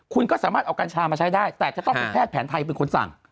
คุณก็สามารถเอากัญชามาใช้ได้แต่จะต้องเป็นแพทย์แผนไทยเป็นคนสั่ง